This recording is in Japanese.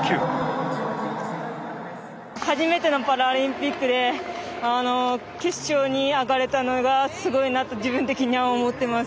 初めてのパラリンピックで決勝に上がれたのがすごいなと自分的には思ってます。